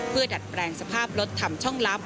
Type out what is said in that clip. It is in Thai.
เพื่อดัดแปลงสภาพรถทำช่องลับ